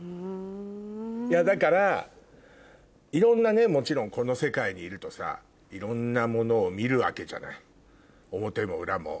だからいろんなねもちろんこの世界にいるとさいろんなものを見るわけじゃない表も裏も。